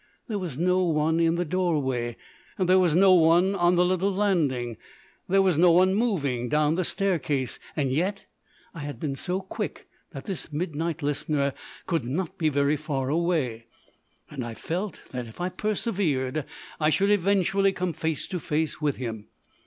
There was no one in the doorway; there was no one on the little landing; there was no one moving down the staircase. Yet I had been so quick that this midnight Listener could not be very far away, and I felt that if I persevered I should eventually come face to face with him.